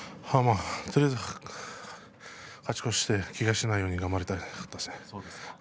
とりあえず勝ち越ししてけがをしないように頑張りたいと思っていました。